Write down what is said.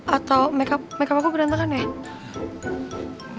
atau make up aku berantakan ya